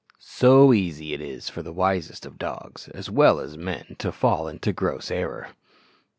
So easy is it for the wisest of dogs as well as men to fall into gross error!